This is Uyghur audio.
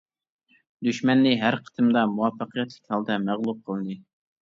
دۈشمەننى ھەر قېتىمدا مۇۋەپپەقىيەتلىك ھالدا مەغلۇپ قىلدى.